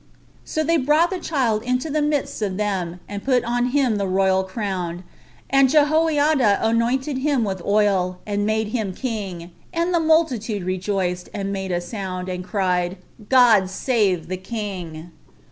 So they brought the child into the midst of them, and put on him the royal crown, and Jehoiada anointed him with the oil, and made him king; and the multitude rejoiced, and made a noise, and cried, "God save the king!"